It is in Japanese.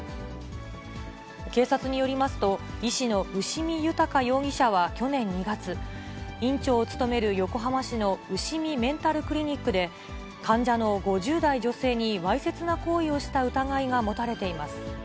警察によりますと、医師の牛見豊容疑者は去年２月、院長を務める横浜市のうしみメンタルクリニックで、患者の５０代女性にわいせつな行為をした疑いが持たれています。